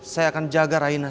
saya akan jaga raina